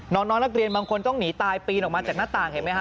น้องนักเรียนบางคนต้องหนีตายปีนออกมาจากหน้าต่างเห็นไหมฮ